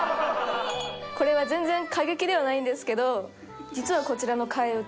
「これは全然過激ではないんですけど実はこちらの替え歌